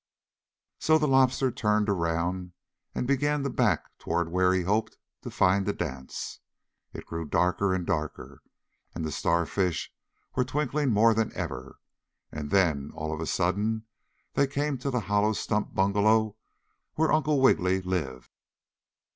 So the lobster turned around and began to back toward where he hoped to find the dance. It grew darker and darker, and the star fish were twinkling more than ever, and then, all of a sudden, they came to the hollow stump bungalow where Uncle Wiggily lived.